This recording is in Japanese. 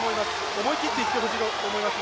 思い切っていってほしいと思います。